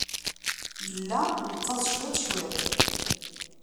Yella yettaẓ cwiṭ, cwiṭ.